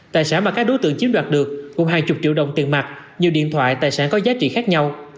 tài sản mà các đối tượng chiếm đoạt được cũng hai mươi triệu đồng tiền mặt nhiều điện thoại tài sản có giá trị khác nhau